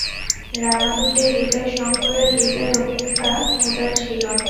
রামানুজের হৃদয় শঙ্করের হৃদয় অপেক্ষা উদার ছিল।